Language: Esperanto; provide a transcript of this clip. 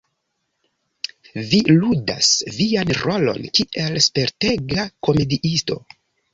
Vi ludas vian rolon kiel spertega komediisto.